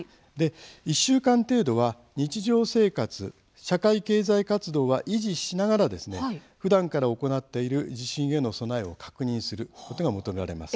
１週間程度は、日常生活社会経済活動は維持しながらふだんから行っている地震への備えを確認することが求められます。